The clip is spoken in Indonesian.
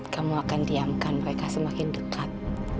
kamu akan diamkan mereka semakin dekat